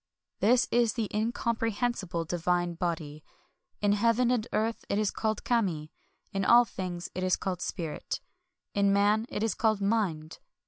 This is the Incomprehensible Divine Body. In Heaven and Earth it is called Kami ; in all things it is called Spirit ; in Man it is called Mind.